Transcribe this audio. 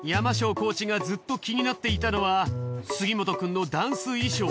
コーチがずっと気になっていたのは杉本くんのダンス衣装。